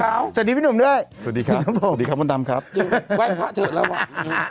สวัสดีพี่หนุ่มแล้วสวัสดีครับสวัสดีครับโมนตัมครับแวะพะเถอะล่ะว่า